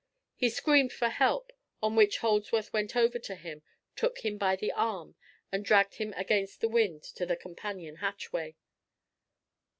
He screamed for help, on which Holdsworth went over to him, took him by the arm, and dragged him against the wind to the companion hatchway.